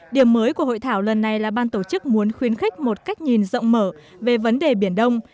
điểm mới của hội thảo lần này là ban tổ chức muốn khuyến khích một cách nhìn rộng mở về vấn đề biển đông